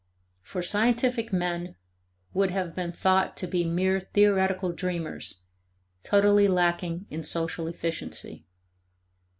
For scientific men would have been thought to be mere theoretical dreamers, totally lacking in social efficiency.